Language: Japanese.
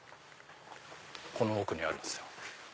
この奥にあるんですよ。